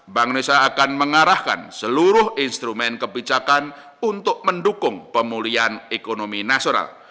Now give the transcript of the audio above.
bank indonesia akan mengarahkan seluruh instrumen kebijakan untuk mendukung pemulihan ekonomi nasional